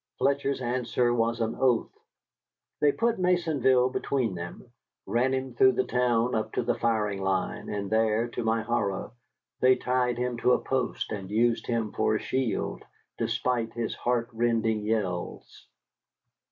Fletcher's answer was an oath. They put Maisonville between them, ran him through the town up to the firing line, and there, to my horror, they tied him to a post and used him for a shield, despite his heart rending yells.